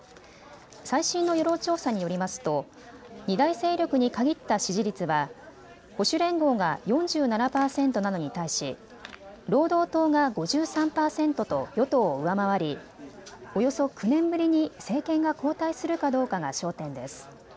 最新の世論調査によりますと二大勢力に限った支持率は保守連合が４７％なのに対し労働党が５３％と与党を上回りおよそ９年ぶりに政権が交代するかどうかが焦点です。